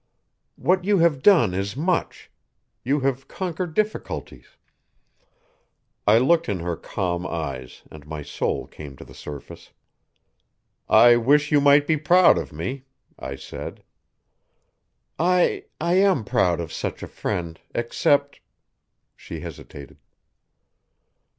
"What you have done is much. You have conquered difficulties." I looked in her calm eyes, and my soul came to the surface. "I wish you might be proud of me," I said. "I I am proud of such a friend except " She hesitated.